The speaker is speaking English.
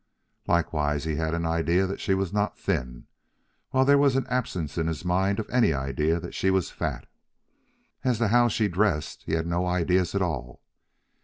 Likewise he had an idea that she was not thin, while there was an absence in his mind of any idea that she was fat. As to how she dressed, he had no ideas at all.